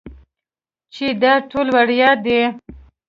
چې دا ټول وړيا دي.